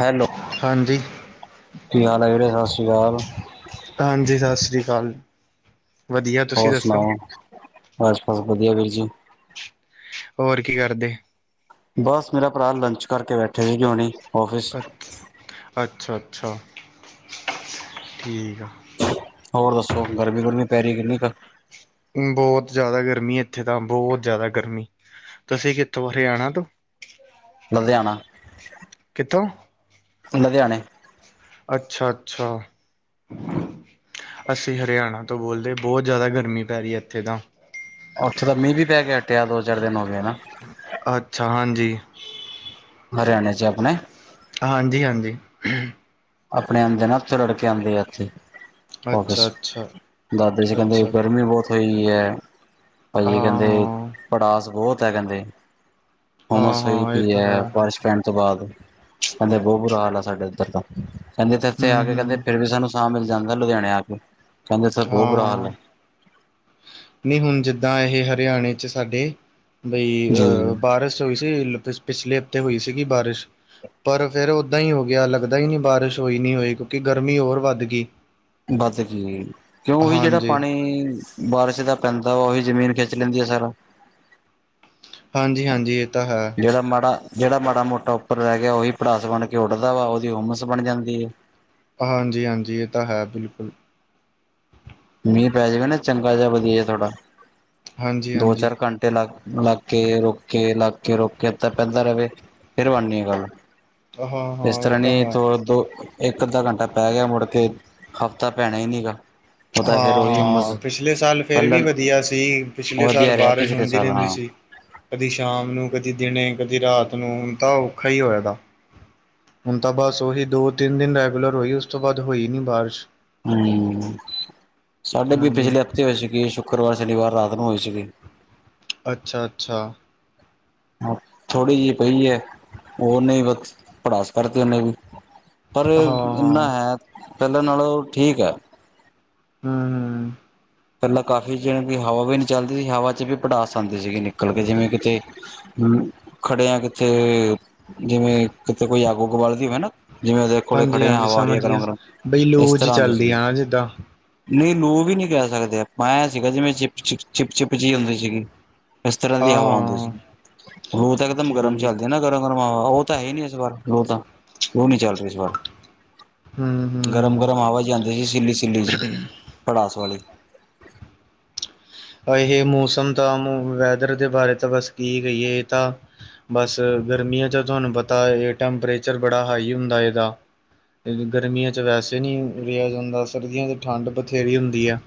Hello, ਹਾਂਜੀ ਕੀ ਹਾਲ ਏ ਵੀਰੇ ਸਾਸਰੀ ਕਾਲ। ਹਾਂਜੀ, ਸਾਸਰੀ ਕਾਲ। ਹੋਰ ਸਨਾਓ, ਬਸ-ਬਸ ਵਦੀਆ ਵੀਰ ਜੀ। ਹੋਰ ਕੀ ਕਰਦੇ? ਬਸ ਮੇਰਾ ਭਰਾ ਲੰਚ ਕਰਕੇ ਬੈਠੇ ਸੀਗੇ ਹੁਨੀ। ਅੱਛ ਅੱਛਾ-ਅੱਛਾ ਠੀਕ ਆ। ਹੋਰ ਦੱਸੋ, ਗਰਮੀ ਗੁਰਮੀ ਪੈ ਰਈ ਐ ਕਿੰਨੀ ਕ। ਹੂੰ, ਬੋਤ ਜਾਦਾ ਗਰਮੀ ਇੱਥੇ ਤਾਂ ਬੋਤ ਜਾਦਾ ਗਰਮੀ, ਤੁਸੀਂ ਕਿੱਥੋਂ ਹਰਿਆਣਾ ਤੋਂ। ਲੁਧਿਆਣਾ। ਕਿਥੋਂ? ਲੁਧਿਆਣੇ। ਅੱਛਾ-ਅੱਛਾ। ਅਸੀ ਹਰਿਆਣਾ ਤੋ ਬੋਲਦੇ ਬੋਤ ਜਾਦਾ ਗਰਮੀ ਪੈ ਰਈ ਏਥੇ ਤਾਂ। ਓਥੇ ਤਾਂ ਮੀਂਅ ਵੀ ਪੈ ਕੇ ਹਟਿਆ ਦੋ-ਚਾਰ ਦਿਨ ਹੋਗੇ ਨਾ ਅੱਛਾ, ਹਾਂਜੀ। ਹਰਿਆਣੇ ਚ ਆਪਨੇ। ਹਾਂਜੀ-ਹਾਂਜੀ। ਆਪਣੇ ਆਂਦੇ ਨਾ ਉੱਥੋ ਰੜਕੇ ਆਂਦੇ ਆ ਇੱਥੇ। ਅੱਛਾ ਓਫਿਸ ਅੱਛਾ ਦਸਦੇ ਸੀ ਕੈਂਦੇ ਅੱਛਾ ਗਰਮੀ ਬੋਤ ਹੋਈ ਐ ਭਈਏ ਕੈਂਦੇ ਹਾਂ ਪੜਾਸ ਬੋਤ ਏ ਕੈਂਦੇ। ਹਾਂ ਹਾਂ ਹਾਂ ਹੋਮਸ ਹੋਈ ਹਾਂ ਇਹ ਪਈ ਤਾਂ ਐ ਹੈ ਬਾਰਿਸ਼ ਪੈਣ ਤੋਂ ਬਾਦ ਕੈਂਦੇ ਬੋ ਬੁਰਾ ਹਾਲ ਆ ਸਾਡੇ ਇੱਧਰ ਦਾ। ਕੇਂਦੇ ਤੇ ਇੱਥੇ ਹਮ ਆ ਕੇ ਕੈਂਦੇ ਹਮ ਫਿਰ ਵੀ ਸਾਨੂੰ ਸਾਂ ਮਿਲ ਜਾਂਦਾ ਲੁਧਿਆਣੇ ਆ ਕੇ ਕੈਂਦੇ ਏਥੇ ਹਾਂ ਬੋ ਬੁਰਾ ਹਾਲ ਐ। ਨਈ ਹੁਣ ਜਿੱਦਾਂ ਏਹ ਹਰਿਆਣੇ ਚ ਸਾਡੇ ਬਈ ਜੀ ਅ ਬਾਰਸ਼ ਹੋਈ ਸੀ [unintelligible] ਪਿਛਲੇ ਹਫ਼ਤੇ ਹੋਈ ਸੀਗੀ ਬਾਰਿਸ਼। ਪਰ ਫੇਰ ਓਦਾਂ ਈ ਹੋ ਗਿਆ ਲੱਗਦਾ ਈ ਨੀ ਬਾਰਿਸ਼ ਹੋਈ ਨੀ ਹੋਈ ਕਿਉਂਕੀ ਗਰਮੀ ਹੋਰ ਵੱਧਗੀ। ਵੱਧ ਗੀ ਕਿਉੰ ਓਈ ਜੇੜਾ ਹਾਂਜੀ ਪਾਣੀ ਬਾਰਿਸ਼ ਦਾ ਪੈਂਦਾ ਵਾ ਓਹੀ ਜ਼ਮੀਨ ਖਿੱਚ ਲੈਂਦੀ ਆ ਸਾਰਾ। ਹਾਂਜੀ ਹਾਂਜੀ ਇਹ ਤਾਂ ਹੈ ਜੇੜਾ ਮਾੜਾ ਜੇੜਾ ਮਾੜਾ-ਮੋਟਾ ਉੱਪਰ ਰੈ ਗਿਆ ਓਈ ਪੜਾਸ ਬਣ ਕੇ ਉੱਡਦਾ ਵਾ ਓਦੀ ਹੁੰਮਸ ਬਣ ਜਾਂਦੀ ਏ। ਹਾਂਜੀ ਏ ਤਾਂ ਹੈ ਬਿਲਕੁਲ। ਮੀਂਹ ਪੈ ਜਾਵੇ ਨਾ ਚੰਗਾ ਜਾ ਵਧੀਆ ਜਾ ਥੋੜਾ ਹਾਂਜੀ ਦੋ ਹਾਂਜੀ ਚਾਰ ਘੰ ਲ ਲੱਗ ਕੇ ਰੋ ਕੇ ਲੱਗ ਕੇ ਰੋ ਕੇ ਤਾਂ ਪੈਂਦਾ ਰਵੇ ਫਿਰ ਬਨਨੀ ਆ ਗੱਲ। ਹਾਂ ਇਸ ਹਾਂ ਇਹ ਤਰ੍ਹਾਂ ਤਾਂ ਨੀ ਹੈ ਦੋ-ਦੋ ਇੱਕ-ਅੱਧਾ ਘੰਟਾ ਪੈ ਗਿਆ ਮੁੜ ਕੇ ਹਫ਼ਤਾ ਪੈਣਾ ਈਨੀ ਗਾ। ਉਹ ਤਾਂ ਫੇਰ ਉਹੀ ਉਮਸ ਹਾਂ-ਹਾਂ ਪਿਛਲੇ ਸਾਲ ਫਿਰ ਪਹਿਲਾਂ ਵੀ ਵਧੀਆ ਸੀ ਪਿਛਲੇ ਸਾਲ ਵਧੀਆ ਰਿਹਾ ਬਾਰਿਸ਼ ਪਿਛਲੇ ਹੁੰਦੀ ਸਾਲ ਹਾਂ ਰੈਂਦੀ ਸੀ। ਕਦੀ ਸ਼ਾਮ ਨੂੰ, ਕਦੀ ਦਿਨੇ ਲ, ਕਦੀ ਰਾਤ ਨੂੰ ਤਾਂ ਔਖਾ ਹੀ ਹੋਇਆ ਤਾ ਹੁਣ ਤਾਂ ਬਸ ਓਹੀ ਦੋ-ਤਿੰਨ ਦਿਨ ਰੈਗੂਲਰ ਹੋਈ ਉਸ ਤੋਂ ਬਾਦ ਹੋਈ ਨੀ ਬਾਰਿਸ਼। ਹੂੰ ਸਾਡੇ ਵੀ ਹਾਂਜੀ ਪਿਛਲੇ ਹਫ਼ਤੇ ਹੋਏ ਸੀਗੇ ਸੁੱਕਰਵਾਰ, ਸ਼ਨੀਵਾਰ ਰਾਤ ਨੂੰ ਹੋਏ ਸੀਗੇ। ਅੱਛਾ, ਅੱਛਾ। ਥੋੜ੍ਹੀ ਜੀ ਪਈ ਐ ਉਨੇ ਵੀ ਬਸ ਪੜਾਸ ਕਡਤੀ ਉਨੇ ਵੀ ਪਰ ਹਾਂ ਇੰਨਾ ਹਾਂ ਹੈ ਪੈਲਾਂ ਨਾਲੋਂ ਠੀਕ ਐ। ਹੂੰ-ਹੂੰ ਪੈਲਾਂ ਕਾਫ਼ੀ ਜਿਣੀ ਕੀ ਹਵਾ ਵੀ ਨੀ ਚੱਲਦੀ ਸੀ ਹਵਾ ਚ ਵੀ ਪੜਾਸ ਆਂਦੀ ਸੀਗੀ ਨਿਕਲ ਕੇ ਜਿਵੇਂ ਕਿਤੇ ਹੂੰ ਖੜੇ ਆ ਕਿਥੇ ਜਿਵੇਂ ਕਿਤੇ ਕੋਈ ਅੱਗ-ਉੱਗ ਬਲਦੀ ਹੋਵੇ ਨਾ। ਜਿਵੇਂ ਉਦੇ ਕੋਲ ਹਾਂਜੀ ਖੜੇਆ ਹਾਂਜੀ ਹਵਾ ਆ ਰੀ ਆ ਸਮਝ ਗਿਆ ਗਰਮ-ਗਰਮ ਬਈ ਇਸ ਲੂ ਜੀ ਤਰ੍ਹਾਂ ਆਂਦੀ ਚੱਲਦੀ ਸੀਗੀ। ਆ ਨਾ ਜਿੱਦਾਂ ਨਹੀਂ ਲੂ ਵੀ ਨੀ ਕੈ ਸਕਦੇ ਆਪਾਂ ਐ ਸੀਗਾ ਜਿਵੇਂ ਚਿਪ ਚ ਚਿਪ-ਚਿਪ ਜੀ ਹੁੰਦੀ ਸੀਗੀ। ਇਸ ਤਰ੍ਹਾਂ ਹਾਂ ਦੀ ਹਵਾ ਹੁੰਦੀ ਸੀ ਹਾਂ [unintelligible] ਤਾਂ ਇਕਦਮ ਗਰਮ ਚੱਲਦੀ ਠੀਕ ਨਾ ਗ [unintelligible] ਓ ਤਾਂ ਹੈ ਈ ਨੀ ਇਸ ਵਾਰ ਲੋ ਤਾਂ ਓ ਨੀ ਚੱਲ ਰੀ ਇਸ ਵਾਰ। ਹਮ ਹਮ ਗਰਮ-ਗਰਮ ਹਵਾ ਜਾਂਦੀ ਸੀ ਸਿੱਲੀ-ਸਿੱਲੀ ਜੀ ਪੜਾਸ ਵਾਲੀ। [inaudible] ਏਹ ਮੌਸਮ ਤਾਂ ਵੈਦਰ ਦੇ ਬਾਰੇ ਤਾਂ ਬਸ ਕੀ ਕਈਏ ਤਾਂ ਬਸ ਗਰਮੀਆਂ ਚ ਤੁਹਾਨੂੰ ਪਤਾ ਏਹ ਟੈਂਪਰੇਚਰ ਬੜਾ ਹਾਈ ਹੁੰਦਾ ਏਦਾ। ਗਰਮੀਆਂ ਚ ਵੈਸੇ ਨੀ ਰਿਆ ਜਾਂਦਾ ਸਰਦੀਆਂ ਚ ਠੰਡ ਬਥੇਰੀ ਹੁੰਦੀ ਆਂ।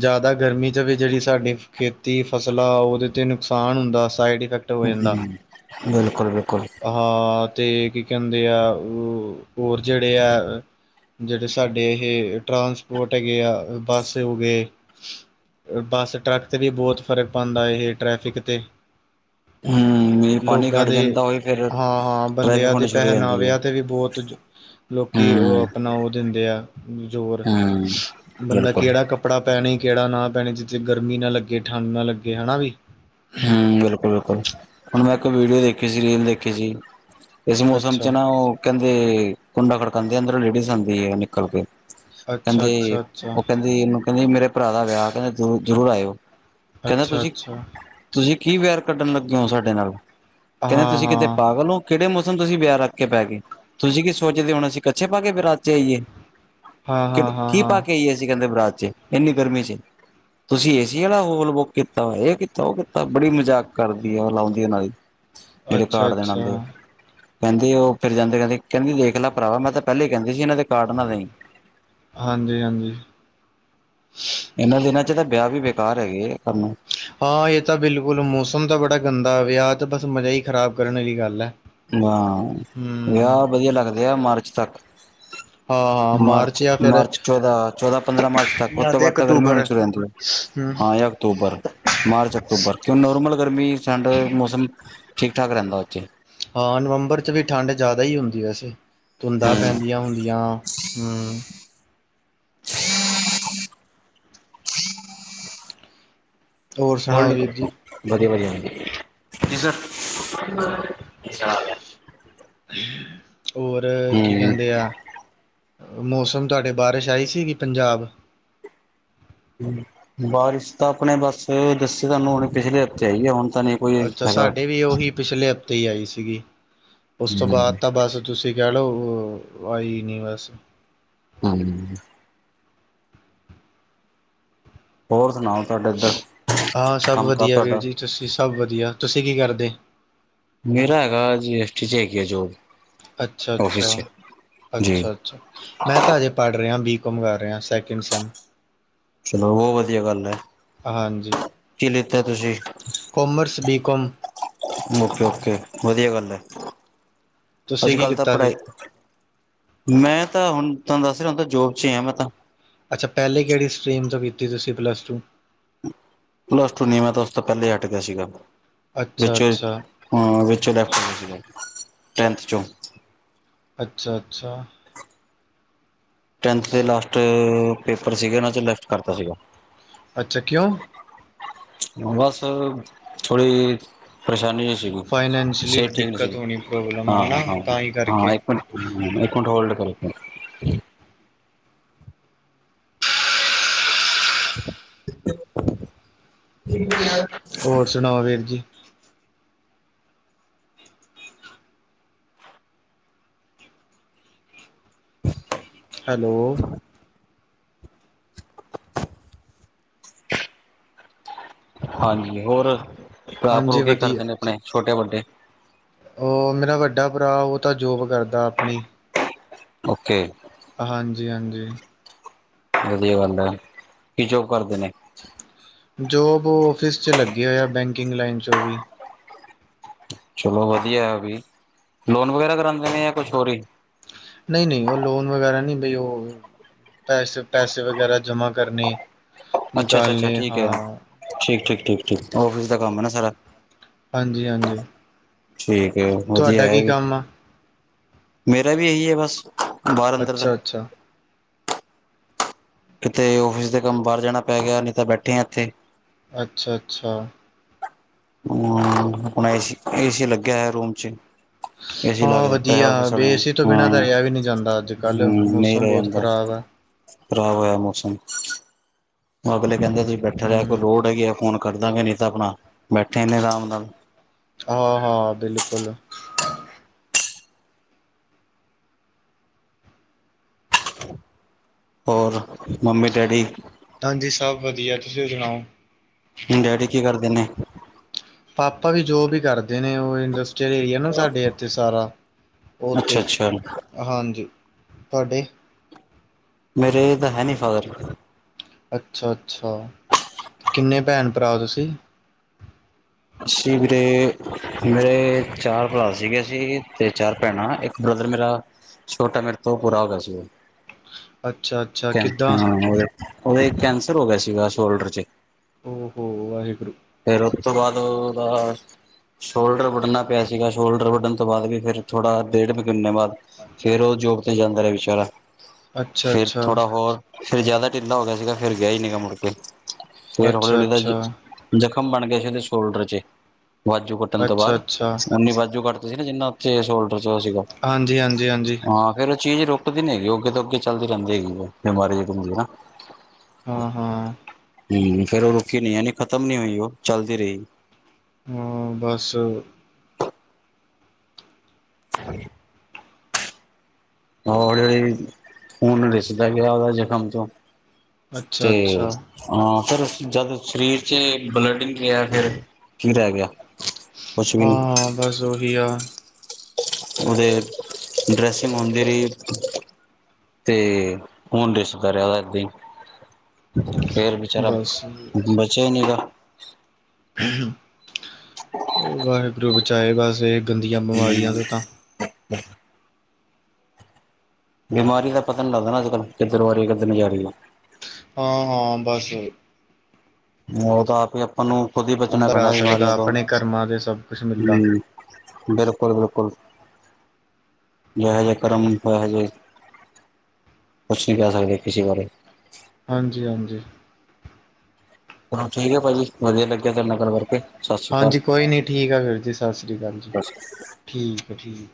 ਜਾਦਾ ਗਰਮੀ ਚ ਵੀ ਜੇੜੀ ਸਾਡੀ ਖੇਤੀ ਫਸਲਾਂ ਓਦੇ ਤੇ ਨੁਕਸਾਨ ਹੁੰਦਾ ਸਾਈਡ-ਇਫੈਕ ਹੂੰ ਬਿਲਕੁੱਲ-ਬਿਲਕੁੱਲ। ਹਾਂ ਤੇ ਕੀ ਕੈਂਦੇ ਹੋਰ ਆ ਅ ਹੋਰ ਜੇੜੇ ਐ ਜੇੜੇ ਸਾਡੇ ਏਹ ਟਰਾਂਸਪੋਟ ਹੈਗੇ ਆ [unintelligible] ਹੋਗੇ ਬੱਸ-ਟਰੱਕ ਤੇ ਵੀ ਬੋਹਤ ਫਰਕ ਪਾਂਦਾ ਏਹ ਟਰੈਫਿਕ ਤੇ ਹੂੰ। ਮੀਂਹ ਪਾਣੀ ਲੋਗਾਂ ਖੜ ਦੇ ਜਾਂਦਾ ਉਹੀ ਫਿਰ ਹਾਂ-ਹਾਂ ਟ੍ਰੈਫਿਕ ਬੰਦਿਆਂ ਦੇ ਹੋਣੀ ਸ਼ੁਰੂ ਹੋ ਜਾਂਦੀ ਹੈ ਪਹਿਨਾਵਿਆਂ ਤੇ ਵੀ ਬੋਹਤ ਲੋਕੀ ਓ ਹੂੰ ਆਪਣਾ ਓ ਦਿੰਦੇ ਆ ਜ਼ੋਰ ਹੂੰ ਬੰਦਾ ਬਿਲਕੁਲ ਕੇੜਾ ਕੱਪੜਾ ਪੈਣੀ ਕੇੜਾ ਨਾ ਪੈਣੀ ਜਿੱਥੇ ਗਰਮੀ ਨਾ ਲੱਗੇ ਠੰਡ ਨਾ ਲੱਗੇ ਹਨਾ ਵੀ। ਹੂੰ ਬਿਲਕੁਲ-ਬਿਲਕੁਲ। ਹੁਣ ਮੈਂ ਇੱਕ ਵੀਡੀਓ ਦੇਖੀ ਸੀ ਰੀਲ ਦੇਖੀ ਸੀ ਇਸ ਮੌਸਮ ਚੱ ਅੱਛਾ ਨਾ ਉਹ ਕਹਿੰਦੇ ਕੁੰਡਾ ਖੜਕਾਂਦੇ ਆ ਅੰਦਰੋਂ ਲੇਡੀਜ਼ ਆਂਦੀ ਆ ਨਿਕਲ ਕੇ ਅੱਛਾ, ਕਹਿੰਦੇ ਅੱਛਾ, ਅੱਛਾ, ਉਹ ਕਹਿੰਦੀ ਇਹਨੂੰ ਕਹਿੰਦੀ ਮੇਰੇ ਭਰਾ ਦਾ ਵਿਆਹ ਕਹਿੰਦੇ ਜ਼ਰੂਰ ਆਇਓ ਕਹਿੰਦੇ ਅੱਛਾ, ਤੁਸੀਂ ਅੱਛਾ, ਤੁਸੀਂ ਕੀ ਵੇਰ ਕੱਢਣ ਲੱਗੇ ਹੋ ਨਾਲ ਹਾਂ, ਕਹਿੰਦੇ ਕਿਤੇ ਹਾਂ, ਪਾਗਲ ਹੋ ਕਿਹੜੇ ਮੌਸਮ ਅਸੀਂ ਵਿਆਹ ਰੱਖ ਕੇ ਬੈਹ ਗਏ ਤੁਸੀਂ ਕੀ ਸੋਚਦੇ ਹੁਣ ਅਸੀਂ ਕੱਛੇ ਪਾਕੇ ਬਰਾਤ ਚੱ ਆਈਏ‌। ਹਾਂ, ਹਾਂ, ਹਾਂ, ਕੀ ਪਾ ਕੇ ਹਾਂ। ਆਈਏ ਸੀਂ ਕਹਿੰਦੇ ਬਰਾਤ ਚੱ ਇੰਨੀ ਗਰਮੀਂ ਚੱ ਤੁਸੀਂ ਏਸੀ ਵਾਲਾ ਹੋਲ ਬੁੱਕ ਕੀਤਾ ਵਾ ਇਹ ਤਾਂ ਉਹ ਕੀਤਾ ਬੜੀ ਮਜ਼ਾਕ ਕਰਦੀ ਆ ਉਹ ਲਾਉਂਦੀ ਉਹਨਾਂ ਦੀ ਜਿਹੜੇ ਅੱਛਾ, ਕਾਰਡ ਦੇਣ ਅੱਛਾ, ਆਉਂਦੇ ਆ। ਕਹਿੰਦੇ ਉਹ ਫਿਰ ਜਾਂਦੇ ਕਹਿੰਦੇ ਕਹਿੰਦੀ ਦੇਖ ਲੈ ਭਰਾਵਾ ਮੈਂ ਤਾਂ ਪਹਿਲੇ ਹੀ ਕਹਿੰਦੀ ਸੀ ਇਹਨਾਂ ਦੇ ਕਾਰਡ ਨਾਂ ਦੇਈਂ ਹਾਂਜੀ ਹਾਂਜੀ ਇਹਨਾਂ ਦਿਨਾਂ ਚੱ ਤਾਂ ਵਿਆਹ ਵੀ ਬੇਕਾਰ ਹੈਗੇ ਕਰਣਾ ਹਾਂ ਇਹ ਤਾਂ ਬਿਲਕੁੱਲ ਮੌਸਮ ਤਾਂ ਬੜਾ ਗੰਦਾ ਵਿਆਹ ਤੇ ਬਸ ਮਜ਼ਾ ਹੀ ਖ਼ਰਾਬ ਕਰਨ ਵਾਲੀ ਗੱਲ ਏ। ਹਾਂ ਵਿਆਹ ਵਧੀਆ ਲੱਗਦੇ ਆ ਮਾਰਚ ਤੱਕ ਹਾਂ, ਹਾਂ ਮਾਰਚ ਜਾਂ ਫਿਰ ਮਾਰਚ, ਚੌਦਾਂ ਚੌਦਾਂ, ਪੰਦਰਾਂ ਮਾਰਚ ਤੱਕ ਉੱਤੋਂ ਬਾਅਦ ਚੱ ਤਾਂ ਗਰਮੀ ਹੋਣੀ ਸ਼ੁਰੂ ਜਾਂਦੀ ਹੈ ਹਮ। ਹਾਂ ਜਾਂ ਅਕਤੂਬਰ, ਮਾਰਚ, ਅਕਤੂਬਰ ਕਿਉਂ ਨੋਰਮਲ ਗਰਮੀਂ ਸਾਡੇ ਮੌਸਮ ਠੀਕ ਠਾਕ ਰਹਿੰਦਾ ਉੱਥੇ ਹਾਂ ਨਵੰਬਰ ਚੱ ਵੀ ਠੰਡ ਜ਼ਿਆਦਾ ਹੀ ਹੁੰਦੀ ਵੈਸੇ। ਧੁੰਦਾਂ ਹਮ ਪੈਂਦੀਆਂ ਹੁੰਦੀਆਂ ਹਮ। ਹਮ [unintelligible] ਹੋਰ ਹੋਲਡ ਸੁਣਾਓ ਵੀਰ ਜੀ? ਕਰੋ ਵਧੀਆ ਵਧੀਆ ਹਾਂਜੀ ਜੀ ਸਰ। ।।। ਹੋਰ ਕੀ ਕਹਿੰਦੇ ਹੂੰ ਆ। ਮੌਸਮ ਤੁਹਾਡੇ ਬਾਰਿਸ਼ ਆਈ ਸੀਗੀ ਪੰਜਾਬ ਬਾਰਿਸ਼ ਤਾਂ ਆਪਣੇ ਬਸ ਦੱਸੀ ਤੁਹਾਨੂੰ ਹੁਣ ਪਿਛਲੇ ਹਫ਼ਤੇ ਆਈਏ ਹੁਣ ਤਾਂ ਨਹੀਂ ਕੋਈ ਅੱਛਾ ਹੈਗਾ ਸਾਡੇ ਵੀ ਉਹੀ ਪਿਛਲੇ ਹਫ਼ਤੇ ਹੀ ਆਈ ਸੀਗੀ ਉਸ ਤੋਂ ਬਾਅਦ ਹੂੰ ਤਾਂ ਬਸ ਤੁਸੀਂ ਕਹਿ ਲਓ ਆਈ ਨਹੀਂ ਬਸ। [inaudible] ਹੋਰ ਸੁਣਾਉ ਤੁਹਾਡੇ ਇੱਧਰ ਹਾਂ ਸਭ ਕੰਮ ਕਾਰ ਵਧੀਆ ਵੀਰ ਤੁਹਾਡਾ। ਜੀ ਤੁਸੀਂ ਸਭ ਵਧੀਆ ਤੁਸੀਂ ਕੀ ਕਰਦੇ। ਮੇਰਾ ਹੈਗਾ ਜੀ ਐਸ ਟੀ ਚੱ ਹੈਗੀ ਜੋਬ। ਅੱਛਾ- ਆਫਿਸ ਅੱਛਾ- ਚ ਜੀ ਅੱਛਾ- ਅੱਛਾ। ਮੈਂ ਤਾਂ ਹਜੇ ਪੜ੍ਹ ਰਿਹਾ ਬੀ ਕੌਮ ਕਰ ਰਿਹਾ ਸਕਿੰਡ ਸਿਮ ਚਲੋ ਬਹੁਤ ਵਧੀਆ ਗੱਲ ਹੈ ਹਾਂਜੀ ਕੀ ਲਿੱਤਾ ਤੁਸੀਂ? Commerce B com. Okay- okay ਵਧੀਆ ਗੱਲ ਹੈ ਤੁਸੀਂ ਅੱਜ ਕੀ ਕੱਲ ਤਾਂ ਲਿੱਤਾ ਸੀ ਪੜ੍ਹਾਈ ਮੈਂ ਤਾਂ ਹੁਣ ਤੁਹਾਨੂੰ ਦੱਸ ਰਿਹਾ ਹੁਣ ਤਾਂ ਜੋਬ ਚੱ ਹੀ ਆ ਮੈਂ ਤਾਂ ਅੱਛਾ ਪਹਿਲੇ ਕਿਹੜੀ ਸਟਰੀਮ ਤੋਂ ਕੀਤੀ ਤੁਸੀਂ ਪਲੱਸ ਟੂ ਪਲੱਸ ਟੂ ਨੀ ਮੈਂ ਤਾਂ ਉਸ ਤੋਂ ਪਹਿਲਾਂ ਹੀ ਹਟ ਗਿਆ ਸੀਗਾ। ਅੱਛਾ ਵਿੱਚ ਅੱਛਾ ਹਂ ਵਿੱਚ ਲੈਫਟ ਸੀ ਟੈਂਥ ਚੋਂ ਟਹਿਤ ਚੋਂ ਅੱਛਾ- ਅੱਛਾ। ਟੈਂਥ ਦੇ ਲਾਸਟ ਪੇਪਰ ਸੀਗੇ ਉਹਨਾਂ ਚੱ ਲੈਫਟ ਕਰਤਾ ਸੀਗਾ। ਅੱਛਾ ਕਿਉਂ? ਬਸ ਥੋੜੀ ਜਿਹੀ ਪ੍ਰੇਸ਼ਾਨੀ ਜਿਹੀ ਸੀ ਫਾਈਨੈਂਸ਼ਲੀ ਸਹਿਤ ਠੀਕ ਨਹੀਂ ਦਿੱਕਤ ਸੀ ਹੋਣੀ ਪ੍ਰੋਬਲਮ ਹਾਂ ਹੈ ਨਾ ਹਾਂ ਤਾਂ ਹੀ ਹਾਂ ਕਰਕੇ ਇਕ ਇੱਕ ਮਿੰਟ ਹੋਲਡ ਕਰੋ ਤਾਂ। ਠੀਕ ਆ। ਔਰ ਸੁਨਾਓ ਵੀਰ ਜੀ? ਹੈਲੋ। ਹਾਂਜੀ, ਔਰ ਭਰਾ ਭਰੂ ਹਾਂਜੀ ਕੀ ਵਧੀਆ ਕਰਦੇ ਨੇ ਆਪਣੇ ਛੋਟੇ ਵੱਡੇ? ਓ ਮੇਰਾ ਵੱਡਾ ਭਰਾ ਓ ਤਾਂ ਜੋਬ ਕਰਦਾ ਆਪਣੀ। ਓਕੇ। ਹਾਂਜੀ- ਹਾਂਜੀ ਵਦੀਆ ਗੱਲ ਐ ਕਿ ਜੋਬ ਕਰਦੇ ਨੇ? ਜੋਬ ਓ ਔਫਿਸ'ਚ' ਲੱਗੇ ਹੋਏ ਆ ਬੈਂਕਿੰਗ ਲਾਈਨ 'ਚ' ਓ ਵੀ। ਚਲੋ ਵਦੀਆ ਐ ਵੀ, ਲੋਨ ਵਗੈਰਾ ਕਰਾਂਦੇ ਨੇ ਯਾ ਕੁਛ ਹੋਰ ਈ? ਨਈ -ਨਈ ਓ ਲੋਨ ਵਗੈਰਾ ਨਈ ਬਈ ਓ ਪੈਸੇ- ਪੈਸੇ ਵਗੈਰਾ ਜਮ੍ਹਾ ਕਰਨੇ। ਅੱਛਾ ਅੱਛਾ ਅੱਛਾ ਨਿਕਾਲਨੇ, ਠੀਕ ਹੈ ਹਾਂ। ਠੀਕ ਐ, ਠੀਕ ਐ ਔਫਿਸ ਦਾ ਕੰਮ ਏ ਨਾ ਸਾਰਾ। ਹਾਂਜੀ- ਹਾਂਜੀ ਠੀਕ ਐ, ਵਧੀਆ ਤੁਹਾਡਾ ਕੀ ਐਵੀ ਕੰਮ ਆ ਮੇਰਾ ਵੀ ਏ ਈ ਐ ਬਸ ਬਾਹਰ ਅੰਦਰ ਦਾ ਅੱਛਾ -ਅੱਛਾ। ਕਿਤੇ ਔਫਿਸ ਦਾ ਕੰਮ ਬਾਰ ਜਾਣਾ ਪੈ ਗਿਆ ਨੀ ਤਾ ਬੈਠੇ ਆ ਇੱਥੇ। ਅੱਛ- ਅੱਛਾ ਗੂੰ ਅਪਨਾ ਏਸੀ, ਏਸੀ ਲੱਗਿਆ ਹੋਇਆ ਰੂਮ ਚ। ਏਸੀ ਲਾ ਕੇ ਹਾਂ ਦਿੱਤਾ ਹੋਇਆ ਵਧੀਆ ਉਂ ਸਰ ਬੇ ਨੇ ਏਸੀ ਤੋਂ ਬਿਨਾਂ ਤਾਂ ਰਿਹਾ ਵੀ ਨਹੀਂ ਜਾਂਦਾ ਅੱਜ ਕੱਲ੍ਹ ਹੁੰ ਨਈ ਮੌਸਮ ਰੇ ਬਹੁਤ ਆਂਦਾ। ਖ਼ਰਾਬ ਹੈ ਖਰਾਬ ਹੋਇਆ ਮੌਸਮ। ਅਗਲੇ ਕੈਂਦੇ ਸੀ ਬੈਠਾ ਰੈ ਹਮ ਕੋਈ ਲੋੜ ਹੈਗੀ ਆ ਤਾਂ ਫੋਨ ਕਰਦਾਂਗੇ ਨਈ ਤਾਂ ਆਪਣਾ ਬੈਠੇੇ ਨੇ ਰਾਮ ਨਾਲ। ਆ - ਹਾ ਬਿਲਕੁਲ। ਔਰ ਮੰਮੀ, ਡੈਡੀ ਹਾਂਜੀ, ਸਬ ਵਧੀਆ ਤੁਸੀ ਸੁਣਾਓ। ਡੈਡੀ ਕੀ ਕਰਦੇ ਨੇ? ਪਾਪਾ ਵੀ ਜੋਬ ਈ ਕਰਦੇ ਨੇ ਓ ਇੰਡਸ ਏਰੀਆ ਨਾ ਸਾਡੇ ਏਥੇ ਸਾਰਾ ਅੱਛਾ ਓਤੇ ਅੱਛਾ ਹਾਂਜੀ, ਥਾਡੇ? ਮੇਰੇ ਤਾਂ ਹੈ ਨੀ ਫਾਦਰ। ਅੱਛਾ- ਅੱਛਾ ਕਿੰਨੇ ਭੈਨ - ਭਰਾ ਓ ਤੁਸੀ? ਅਸੀ ਵੀਰੇ, ਮੇਰੇ ਚਾਰ ਭਰਾ ਸੀਗੇ ਸੀ ਤੇ ਚਾਰ ਭੈਣਾਂ ਏਕ ਬ੍ਰਦਰ ਮੇਰਾ ਛੋਟਾ ਮੇਰੇ ਤੋਂ ਪੂਰਾ ਹੋ ਗਿਆ ਸੀ। ਅੱਛਾ ਅੱਛਾ ਕੈਂ ਕਿੱਦਾਂ ਹਾਂ ਹੋਰ ਓਦੇ ਕੈਂਸਰ ਹੋ ਗਿਆ ਸੀਗਾ ਸ਼ੋਲਡਰ'ਚ' ਓ ਹੋੋ ਵਾਹੇਗੁਰੂ। ਫੇਰ ਓਤੋ ਬਾਅਦ ਓਦਾ ਸ਼ੋਲਡਰ ਵੱਢਣਾ ਪਿਆ ਸੀਗਾ ਸ਼ੋਲਡਰ ਵੱਢਣ ਤੋ ਬਾਅਦ ਵੀ ਫੇਰ ਥੋੜਾ ਡੇਢ ਮਹੀਨੇ ਬਾਅਦ ਫੇਰ ਓ ਜੋਬ ਤੇ ਜਾਂਦਾ ਰਿਆ ਵਿਚਾਰਾ। ਅੱਛਾ ਫੇਰ ਅੱਛਾ ਥੋੜਾ ਹੋਰ, ਫੇਰ ਜਆਦਾ ਢਿੱਲਾ ਹੋ ਗਿਆ ਸੀਗਾ ਫੇਰ ਗਿਆ ਈ ਨੀਗਾ ਮੁੜ ਕੇ। ਫੇਰ ਹੌਲੀ- ਅੱਛਾ ਹੌਲੀ ਬਸ ਜੀ ਅੱਛਾ ਜਖ਼ਮ ਬਣ ਗੇ ਸੀ ਓਦੇ ਸ਼ੋਲਡਰ ਚ ਵਾਜੂ ਕੱਟਣ ਤੋਂ ਅੱਛਾ ਬਾਅਦ ਅੱਛਾ ਉਨੀ ਵਾਜੂ ਕੱਟਤੀ ਸੀ ਨਾ ਜਿੰਨਾ ਕੇੜ ਸ਼ੋਲਡਰ ਚ ਹੋਇਆ ਸੀਗਾ? ਹਾਂਜੀ -ਆਂਜੀ -ਆਂਜੀ। ਹਾਂ ਫੇਰ ਓ ਚੀਜ ਰੁਕਦੀ ਨੀ ਹੇਗੀ ਓ ਅੱਗੇ ਤੋਂ ਅੱਗੇ ਚੱਲਦੀ ਰੈਂਦੀ ਹੇਗੀ ਏ ਬਿਮਾਰੀ ਇਹੋ ਹੁੰਦੀ ਏ ਨਾ। ਹਾਂ, ਹਾਂ। ਹਂ ਫਿਰ ਓ ਰੁਕੀ ਨੀਂ ਯਾਨੀ ਖ਼ਤਮ ਨੀਂ ਹੋਈ ਓ, ਚੱਲਦੀ ਰਈ। ਹਂ, ਬਸ। [inaudible] ਹੌਲੀ-ਓਲੀ ਖੂਨ ਰਿਸਦਾ ਗਿਆ ਓਦਾ ਜ਼ਖ਼ਮ ਤੋਂ। ਅੱਛਾ ਤੇ ਅੱਛਾ ਹਾਂ ਫਿਰ ਜਦ ਸਰੀਰ ਚ ਬਲੱਡ ਨਿਕਲਿਆ। ਫਿਰ ਕੀ ਰੈ ਗਿਆ। ਕੁਛ ਵੀ ਹਾਂ, ਨੀ ਹਾਂ ਬਸ ਓਹੀ ਆ। ਓਦੇ ਡਰੈਸਿੰਗ ਹੁੰਦੀ ਰੀ। ਤੇ ਖੂਨ ਡਿਸ਼ਦਾ ਰਿਆ ਓਦਾ ਏਦਾਂ ਈ। ਫੇਰ ਬਚਾਰਾ ਬਸ ਬਚਇਆ ਈ ਨੀਂ ਗਾ। [unintelligible] ਵਾਹਿਗੁਰੂ ਬਚਾਏ, ਬਸ ਏਹ ਗੰਦੀਆਂ ਬਿਮਾਰੀਆਂ ਤੋਂ ਤਾਂ। ਬਿਮਾਰੀ ਦਾ ਪਤਾ ਨੀਂ ਲੱਗਦਾ ਨਾਂ ਅੱਜ-ਕਲ ਕਿੱਧਰੋਂ ਆ ਰੀ, ਕਿੱਧਰ ਨੂੰ ਜਾ ਰੀ ਆ। ਹਾਂ, ਹਾਂ, ਬਸ। ਓ ਤਾਂ ਆਪ ਹੀ ਆਪਾਂ ਨੂੰ ਖੁਦ ਹੀ ਬਚਣਾ ਅੰਦਰ ਆ ਪੈਣਾ ਬਿਮਾਰੀਆਂ ਸਕਦਾ ਤੋਂ। ਆਪਣੇ ਕਰਮਾਂ ਦੇ ਸਭ ਕੁਛ ਮਿਲਦਾ ਹਂ। ਬਿਲਕੁਲ-ਬਿਲਕੁਲ। ਜੇਹੇ ਜੇ ਕਰਮ, ਤਹਿ ਜੇ ਕੁਛ ਨ੍ਹੀਂ ਕੈਅ ਸਕਦੇ, ਕਿਸੇ ਬਾਰੇ। ਹਾਂਜੀ, ਹਾਂਜੀ। ਚਲੋ ਠੀਕ ਐ ਭਾਜੀ, ਵਧੀਆ ਲੱਗਿਆ ਤਾਡੇ ਨਾਂ ਗੱਲ ਕਰਕੇ। ਸਤਿ ਸ਼੍ਰੀ ਹਾਂਜੀ, ਅਕਾਲ ਕੋਈ ਨ੍ਹੀਂ ਠੀਕ ਆ ਫਿਰ ਜੀ ਸਸ ਸ਼੍ਰੀ ਅਕਾਲ ਜੀ। ਠੀਕ ਆ, ਠੀਕ।